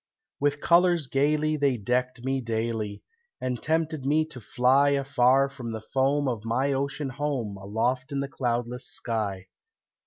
With colors gaily they decked me daily, And tempted me to fly Afar from the foam of my ocean home Aloft in the cloudless sky.